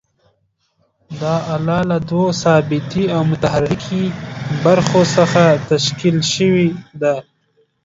دا آله له دوو ثابتې او متحرکې برخو څخه تشکیل شوې ده.